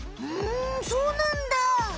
ふんそうなんだ。